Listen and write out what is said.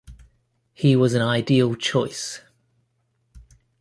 He was an ideal choice.